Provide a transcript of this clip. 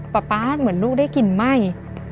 ป๊าดเหมือนลูกได้กลิ่นไหม้